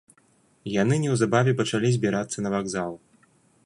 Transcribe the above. Яны неўзабаве пачалі збірацца на вакзал.